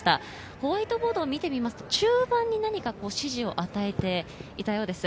ホワイトボードを見てみると中盤に何か指示を与えていたようです。